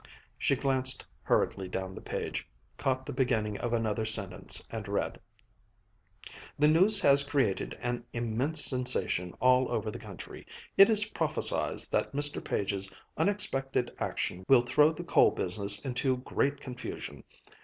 '" She glanced hurriedly down the page, caught the beginning of another sentence, and read: "'The news has created an immense sensation all over the country. It is prophesied that Mr. Page's unexpected action will throw the coal business into great confusion.